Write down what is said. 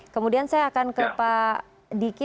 kemudian saya akan ke pak diki